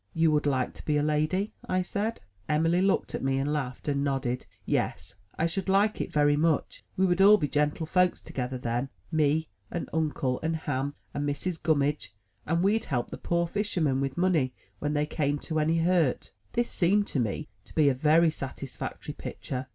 "You would like to be a lady?" I said. Emily looked at me, and laughed, and nodded "yes." "I should like it very /^^^ much. We would all be gentle folks together, then, (^^^^ i^e, and uncle, and Ham, and Mrs. Gimimidge, and^^T.'/JI we'd help the poor fisher men with money when they ^^^\^^ come to any hurt." This seemed to me to ^^^^ be a very satisfactory pict ure.